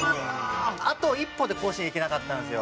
あと一歩で甲子園行けなかったんですよ。